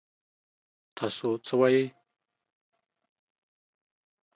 تاسو څه وايي ؟